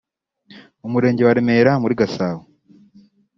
Umurenge wa Remera muri Gasabo